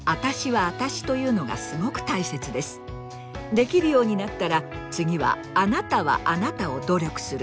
できるようになったら次は“あなたはあなた”を努力する。